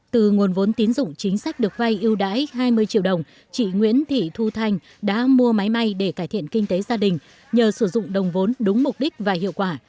từ nguồn vốn tín dụng chính sách được vay yêu đáy hai mươi triệu đồng chị nguyễn thị thu thanh đã mua máy may để cải thiện kinh tế gia đình nhờ sử dụng đồng vốn đúng mục đích và hiệu quả